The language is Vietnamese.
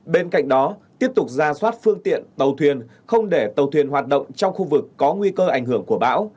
bên cạnh đó tiếp tục ra soát phương tiện tàu thuyền không để tàu thuyền hoạt động trong khu vực có nguy cơ ảnh hưởng của bão